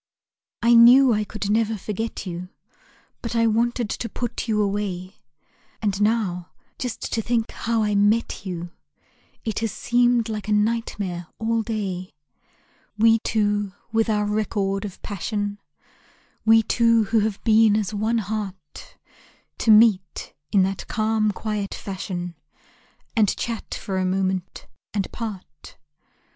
I knew I could never forget you; But I wanted to put you away. And now, just to think how I met you It has seemed like a nightmare all day. We two with our record of passion, We two who have been as one heart, To meet in that calm, quiet fashion, And chat for a moment and part.